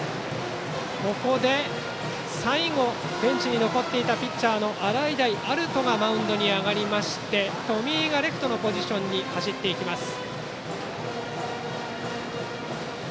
ここで、最後ベンチに残っていたピッチャーの洗平歩人がマウンドに上がりまして冨井がレフトのポジションに走っていきます。